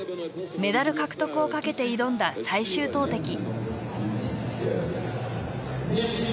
メダル獲得をかけて挑んだ最終投てき。